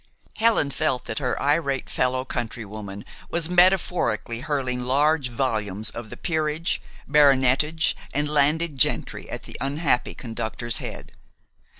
Helen felt that her irate fellow countrywoman was metaphorically hurling large volumes of the peerage, baronetage, and landed gentry at the unhappy conductor's head.